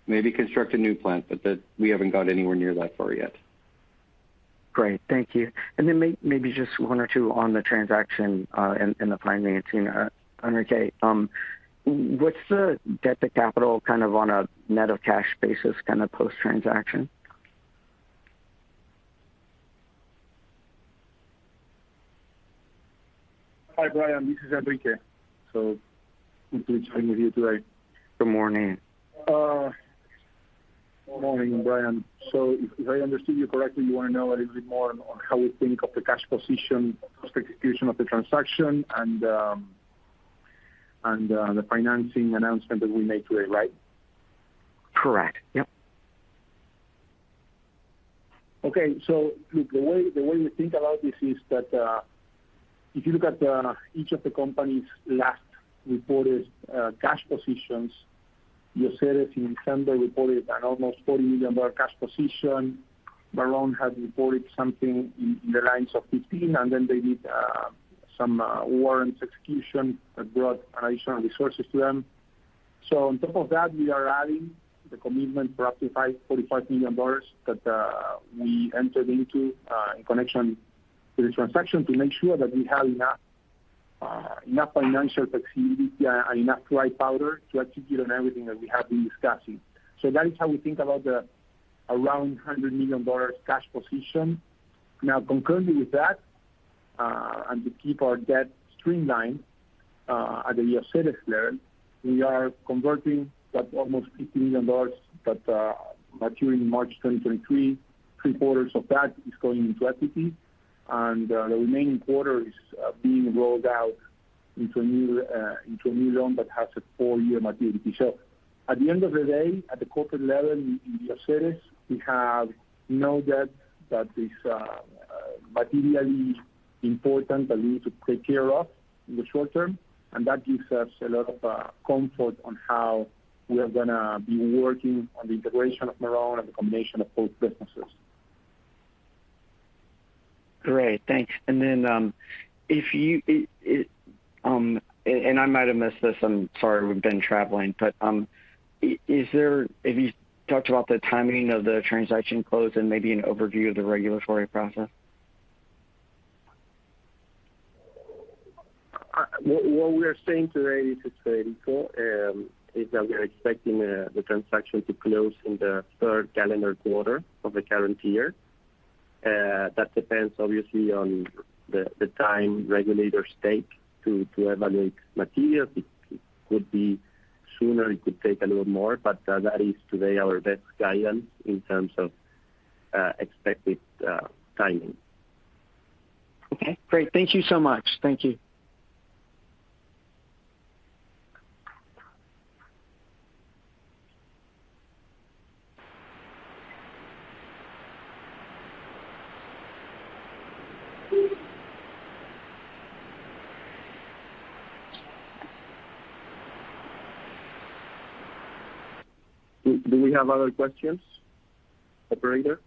maybe construct a new plant, but that we haven't got anywhere near that far yet. Great. Thank you. Maybe just one or two on the transaction, and the financing. Enrique, what's the debt to capital kind of on a net of cash basis kind of post-transaction? Hi, Brian. This is Enrique. Good to join with you today. Good morning. Good morning, Brian. If I understand you correctly, you wanna know a little bit more on how we think of the cash position, post execution of the transaction and the financing announcement that we made today, right? Correct. Yep. Okay. Look, the way we think about this is that if you look at each of the company's last reported cash positions, Bioceres in December reported an almost $40 million cash position. Marrone had reported something in the lines of 15, and then they did some warrants execution that brought additional resources to them. On top of that, we are adding the commitment for up to $45 million that we entered into in connection to the transaction to make sure that we have enough financial flexibility and enough dry powder to execute on everything that we have been discussing. That is how we think about the around $100 million cash position. Now, concurrently with that, and to keep our debt streamlined, at a Bioceres level, we are converting that almost $50 million that mature in March 2023. 3/4 of that is going into equity, and the remaining quarter is being rolled out into a new loan that has a four-year maturity. At the end of the day, at the corporate level in Bioceres, we have no debt that is materially important that we need to take care of in the short term, and that gives us a lot of comfort on how we are gonna be working on the integration of Marrone and the combination of both businesses. Great. Thanks. I might have missed this. I'm sorry. We've been traveling. Have you talked about the timing of the transaction close and maybe an overview of the regulatory process? What we are saying today is, it's very cool, is that we are expecting the transaction to close in the third calendar quarter of the current year. That depends obviously on the time regulators take to evaluate materials. It could be sooner, it could take a little more, but that is today our best guidance in terms of expected timing. Okay, great. Thank you so much. Thank you. Do we have other questions? Operator?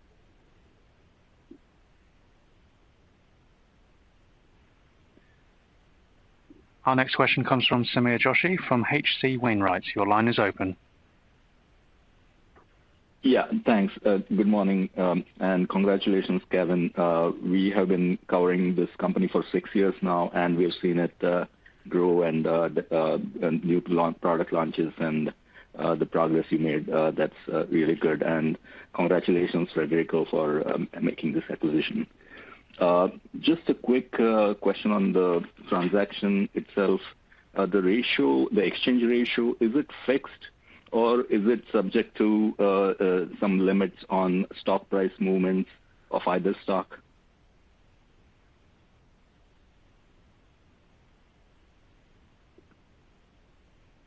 Our next question comes from Sameer Joshi from H.C. Wainwright & Co. Your line is open. Yeah, thanks. Good morning, and congratulations, Kevin. We have been covering this company for six years now, and we've seen it grow and the new product launches and the progress you made. That's really good. Congratulations, Federico, for making this acquisition. Just a quick question on the transaction itself. The ratio, the exchange ratio, is it fixed or is it subject to some limits on stock price movements of either stock?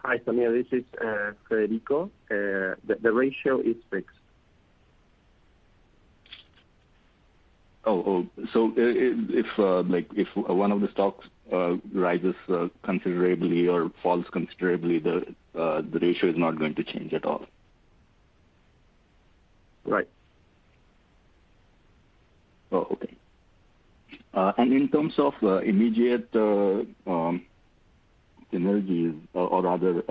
Hi, Sameer, this is Federico. The ratio is fixed. Oh, oh. If, like if one of the stocks rises considerably or falls considerably, the ratio is not going to change at all. Right. Oh, okay. In terms of immediate synergies or rather, is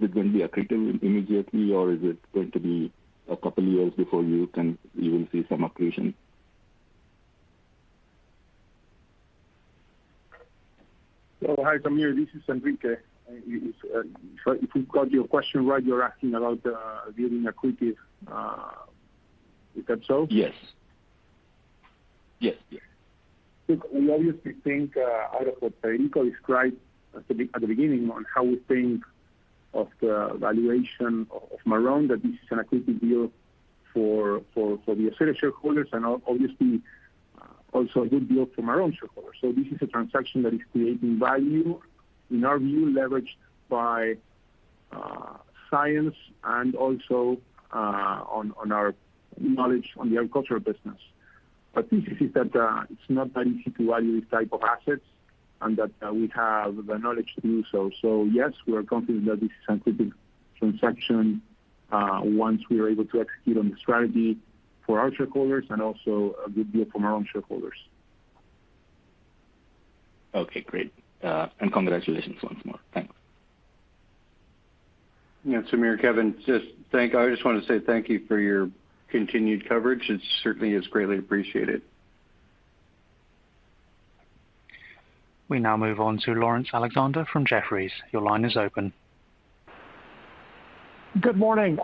it going to be accretive immediately, or is it going to be a couple of years before you can even see some accretion? Oh, hi, Sameer, this is Enrique. If we've got your question right, you're asking about viewing accretive, is that so? Yes. Yes, yes. Look, we obviously think out of what Federico described at the beginning on how we think of the valuation of Marrone, that this is an accretive deal for the Ascenda shareholders and obviously also a good deal for Marrone shareholders. This is a transaction that is creating value in our view, leveraged by science and also on our knowledge on the agricultural business. The thesis is that it's not that easy to value these type of assets and that we have the knowledge to do so. Yes, we are confident that this is an accretive transaction once we are able to execute on the strategy for our shareholders and also a good deal for Marrone shareholders. Okay, great. Congratulations once more. Thanks. Yeah, Sameer, Kevin, I just want to say thank you for your continued coverage. It certainly is greatly appreciated. We now move on to Laurence Alexander from Jefferies. Your line is open. Good morning.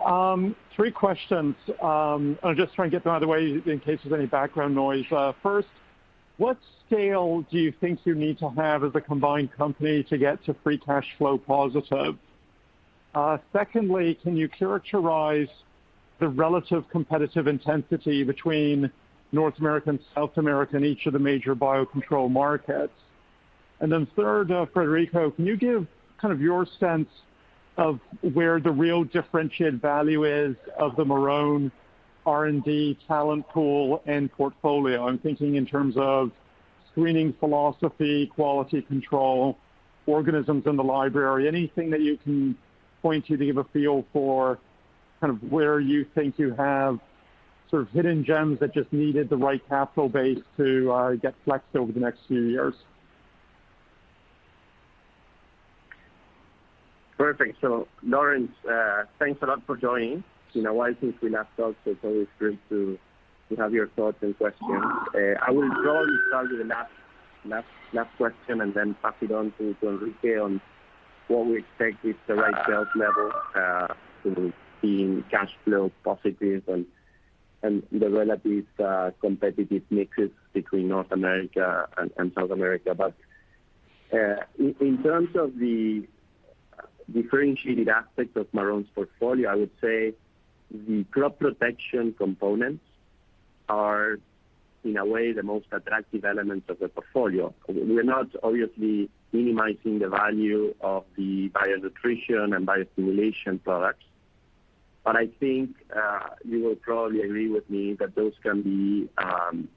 Three questions. I'll just try and get them out of the way in case there's any background noise. First, what scale do you think you need to have as a combined company to get to free cash flow positive? Second, can you characterize the relative competitive intensity between North America and South America in each of the major biocontrol markets? Third, Federico, can you give kind of your sense of where the real differentiated value is of the Marrone R&D talent pool and portfolio? I'm thinking in terms of screening philosophy, quality control, organisms in the library, anything that you can point to to give a feel for kind of where you think you have sort of hidden gems that just needed the right capital base to get flexed over the next few years. Perfect. Laurence, thanks a lot for joining. You know, I think we last talked, so it's always great to have your thoughts and questions. I will probably start with the last question and then pass it on to Enrique on what we expect is the right sales level to being cash flow positive and the relative competitive mixes between North America and South America. In terms of the differentiated aspects of Marrone's portfolio, I would say the crop protection components are, in a way, the most attractive elements of the portfolio. We're not obviously minimizing the value of the bio-nutrition and bio-stimulation products. I think you will probably agree with me that those can be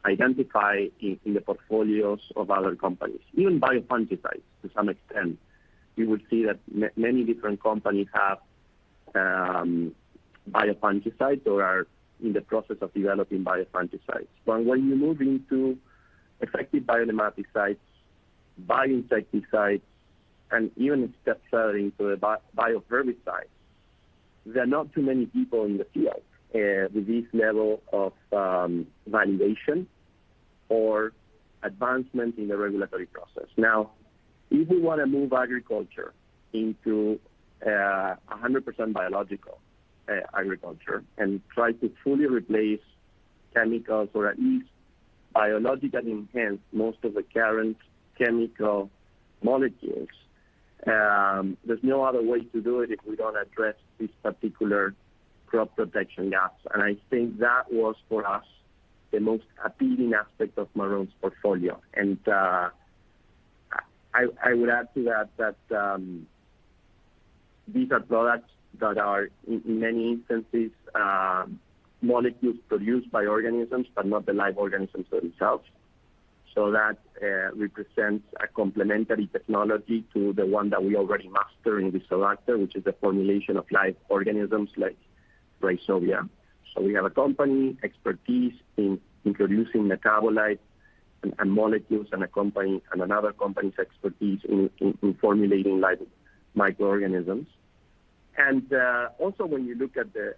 identified in the portfolios of other companies. Even biofungicides to some extent. You will see that many different companies have biofungicides or are in the process of developing biofungicides. When you move into effective bionematicides, bioinsecticides, and even step further into biopesticides, there are not too many people in the field with this level of validation or advancement in the regulatory process. Now, if we want to move agriculture into 100% biological agriculture and try to fully replace chemicals or at least biologically enhance most of the current chemical molecules, there's no other way to do it if we don't address these particular crop protection gaps. I think that was, for us, the most appealing aspect of Marrone's portfolio. I would add to that that these are products that are, in many instances, molecules produced by organisms, but not the live organisms themselves. That represents a complementary technology to the one that we already master in Rizobacter, which is the formulation of live organisms like rhizobia. We have a company's expertise in introducing metabolites and molecules, and another company's expertise in formulating live microorganisms. Also, when you look at the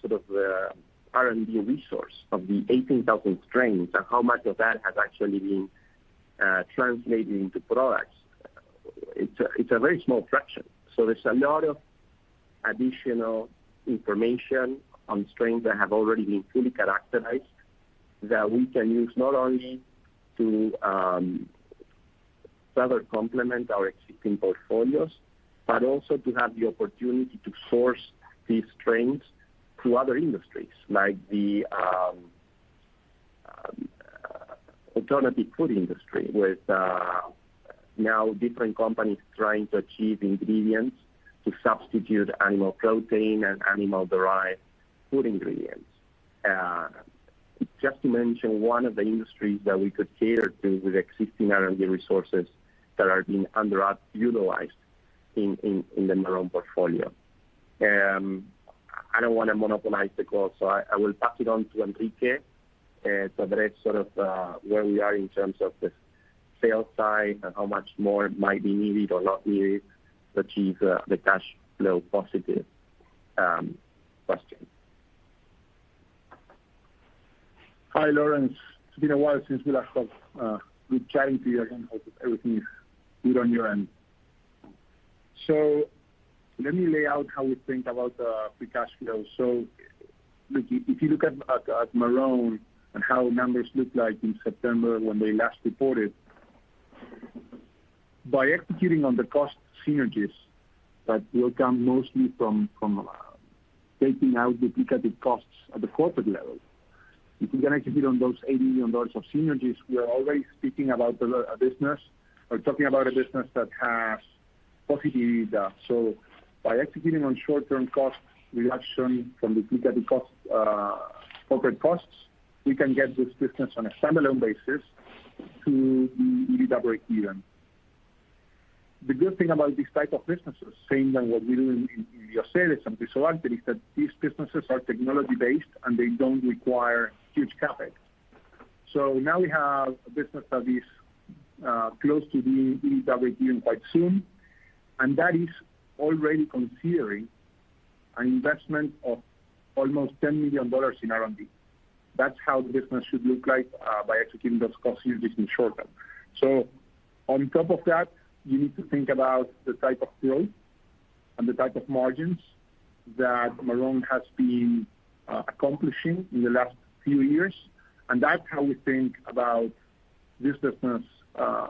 sort of R&D resource of the 18,000 strains and how much of that has actually been translated into products, it's a very small fraction. There's a lot of additional information on strains that have already been fully characterized that we can use not only to further complement our existing portfolios, but also to have the opportunity to source these strains to other industries, like the alternative food industry, with now different companies trying to achieve ingredients to substitute animal protein and animal-derived food ingredients. Just to mention one of the industries that we could cater to with existing R&D resources that are being underutilized in the Marrone portfolio. I don't want to monopolize the call, so I will pass it on to Enrique, so that he sort of where we are in terms of the sales side and how much more might be needed or not needed to achieve the cash flow positive question. Hi, Laurence. It's been a while since we last talked. Good chatting to you again. Hope everything is good on your end. Let me lay out how we think about free cash flow. If you look at Marrone and how numbers looked like in September when they last reported, by executing on the cost synergies that will come mostly from taking out duplicative costs at the corporate level, if we can execute on those $80 million of synergies, we are already speaking about a business or talking about a business that has positive EBITDA. By executing on short-term cost reduction from duplicative costs, corporate costs, we can get this business on a standalone basis to be EBITDA breakeven. The good thing about these type of businesses, same than what we do in Bioceres and Rizobacter, is that these businesses are technology-based, and they don't require huge CapEx. Now we have a business that is close to be EBITDA breakeven quite soon, and that is already considering an investment of almost $10 million in R&D. That's how the business should look like by executing those cost synergies in short term. On top of that, you need to think about the type of growth and the type of margins that Marrone has been accomplishing in the last few years. That's how we think about this business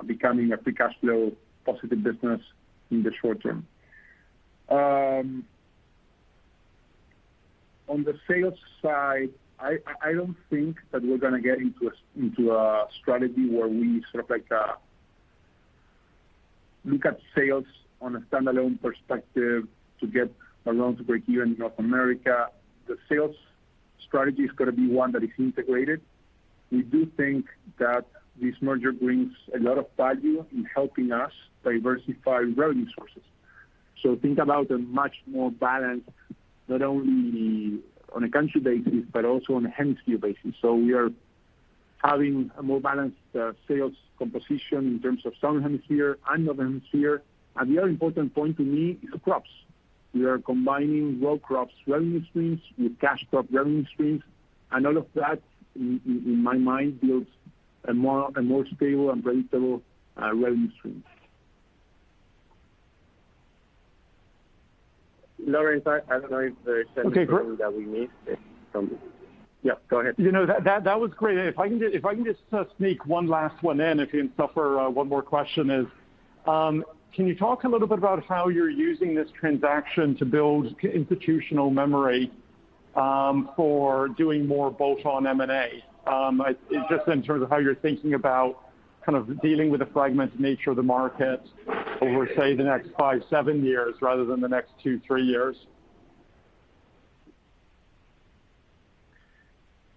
becoming a free cash flow positive business in the short term. On the sales side, I don't think that we're gonna get into a strategy where we sort of like look at sales on a standalone perspective to get Marrone to break even in North America. The sales strategy is gonna be one that is integrated. We do think that this merger brings a lot of value in helping us diversify revenue sources. Think about a much more balanced, not only on a country basis, but also on a hemisphere basis. We are having a more balanced sales composition in terms of Southern Hemisphere and Northern Hemisphere. The other important point to me is the crops. We are combining row crops revenue streams with cash crop revenue streams. All of that, in my mind, builds a more stable and predictable revenue stream. Laurence, I don't know if there is anything that we missed from. Okay, great. Yeah, go ahead. You know, that was great. If I can just sneak one last one in, if you can suffer one more question, can you talk a little bit about how you're using this transaction to build institutional memory for doing more bolt-on M&A? Just in terms of how you're thinking about kind of dealing with the fragmented nature of the market over, say, the next five, seven years rather than the next two, three years.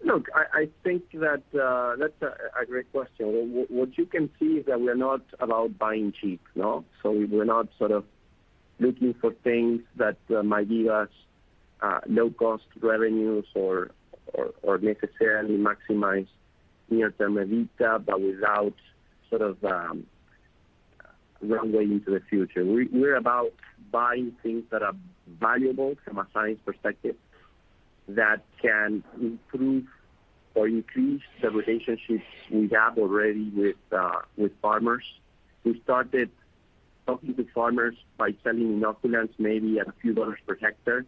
Look, I think that's a great question. What you can see is that we're not about buying cheap, no? We're not sort of looking for things that might give us low-cost revenues or necessarily maximize near-term EBITDA but without sort of runway into the future. We're about buying things that are valuable from a science perspective that can improve or increase the relationships we have already with farmers. We started talking to farmers by selling inoculants maybe at a few dollars per hectare.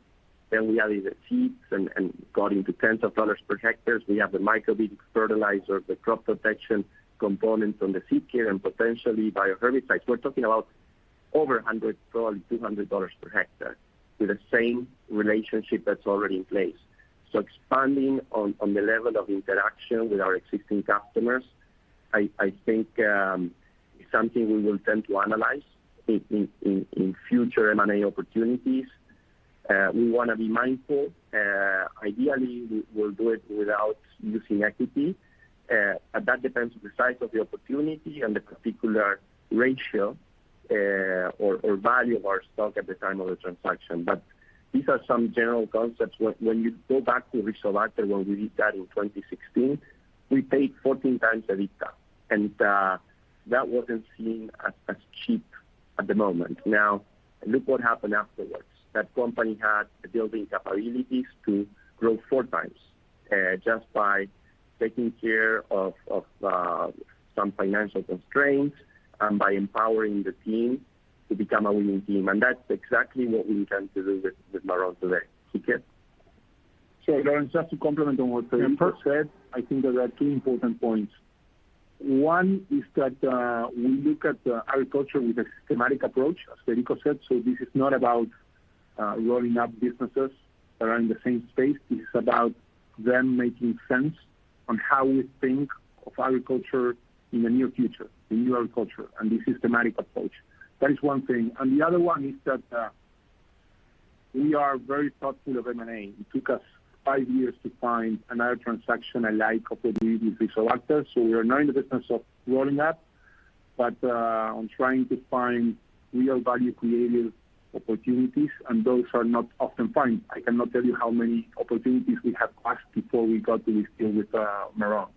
Then we added the seeds and got into tens of dollars per hectare. We have the microbead fertilizer, the crop protection components on the seed care, and potentially bioherbicides. We're talking about over $100, probably $200 per hectare with the same relationship that's already in place. Expanding on the level of interaction with our existing customers, I think is something we will tend to analyze in future M&A opportunities. We wanna be mindful. Ideally, we will do it without using equity. That depends on the size of the opportunity and the particular ratio or value of our stock at the time of the transaction. These are some general concepts. When you go back to Rizobacter, when we did that in 2016, we paid 14 times EBITDA, and that wasn't seen as cheap at the moment. Now, look what happened afterwards. That company had the building capabilities to grow four times, just by taking care of some financial constraints and by empowering the team to become a winning team. That's exactly what we intend to do with Marrone today. Enrique. Laurence, just to complement on what Federico said, I think there are two important points. One is that, we look at, agriculture with a systematic approach, as Federico said. This is not about, rolling up businesses that are in the same space. This is about them making sense on how we think of agriculture in the near future, the new agriculture and the systematic approach. That is one thing. The other one is that, we are very thoughtful of M&A. It took us five years to find another transaction alike of the deal with Rizobacter. We are not in the business of rolling up, but on trying to find real value-creating opportunities, and those are not often found. I cannot tell you how many opportunities we have passed before we got to this deal with, Marrone.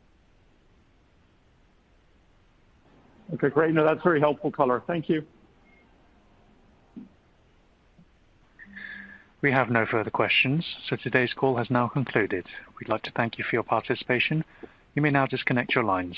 Okay, great. No, that's very helpful color. Thank you. We have no further questions, so today's call has now concluded. We'd like to thank you for your participation. You may now disconnect your lines.